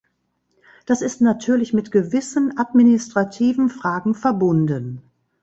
Das ist natürlich mit gewissen administrativen Fragen verbunden.